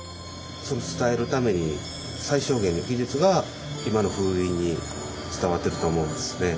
それを伝えるために最小限の技術が今の風鈴に伝わってると思うんですね。